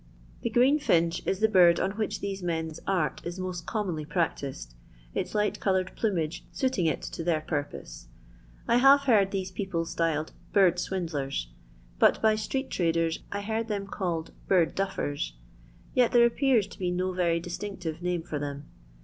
The greenfinch is the bird on whieh these men's art is most commonly practised, its light coloured plumage suiting it to their purposes, f haye heard these people styled " bird swindlers," but by street traders I heard them called " bird duiliffs,'' yet there appears to be no yery distinctiye name for them.